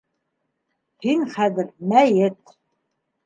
Һин хәҙер мәйет.